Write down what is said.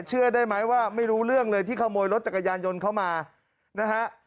เชื่อได้ไหมว่าไม่รู้เรื่องเลยที่ขโมยรถจักรยานยนต์เข้ามานะฮะ